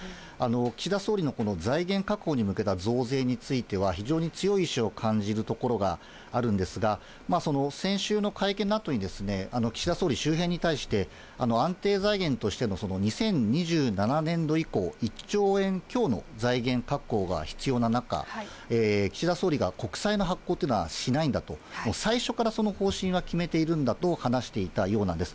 岸田総理のこの財源確保に向けた増税については、非常に強い意思を感じるところがあるんですが、先週の会見のあとに、岸田総理、周辺に対して、安定財源としての２０２７年度以降、１兆円強の財源確保が必要な中、岸田総理が国債の発行というのはしないんだと、最初からその方針は決めているんだと話していたようなんです。